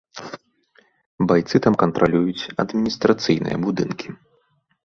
Байцы там кантралююць адміністрацыйныя будынкі.